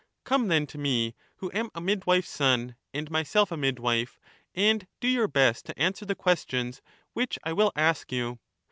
Come then to me, who am a midwife's son and myself a midwife, and do your best to answer the questions which I will ask you.